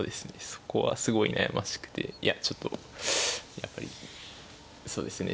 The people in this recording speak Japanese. そこはすごい悩ましくていやちょっとやっぱりそうですね